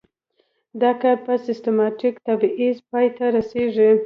دا کار په سیستماتیک تبعیض پای ته رسیږي.